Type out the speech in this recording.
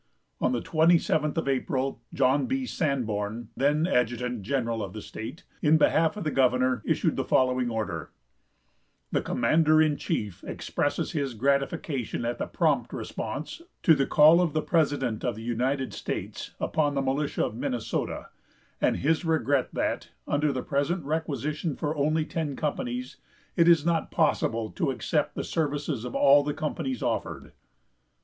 On the 27th of April John B. Sanborn, then adjutant general of the state, in behalf of the governor, issued the following order: "The commander in chief expresses his gratification at the prompt response to the call of the president of the United States upon the militia of Minnesota, and his regret that, under the present requisition for only ten companies, it is not possible to accept the services of all the companies offered."